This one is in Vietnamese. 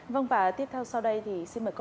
vâng và tiếp theo sau đây thì xin chào các bạn